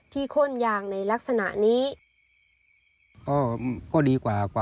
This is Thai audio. ที่โค้นยางในลักษณะนี้